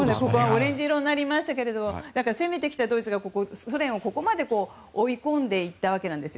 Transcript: オレンジ色になりましたけど攻めてきたドイツがソ連をここまで追い込んでいったわけです。